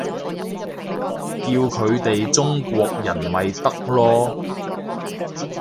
叫佢哋中國人咪得囉